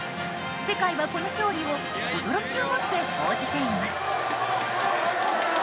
世界はこの勝利を驚きをもって報じています。